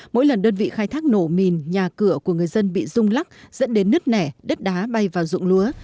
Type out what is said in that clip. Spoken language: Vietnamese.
mỗi lần đơn vị khai thác nổ mìn nhà cửa của người dân bị rung lắc dẫn đến nứt nẻ đất đá bay vào rụng lúa